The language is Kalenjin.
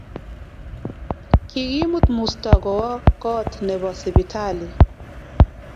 Kikimut musto kowa kot nepo sipitali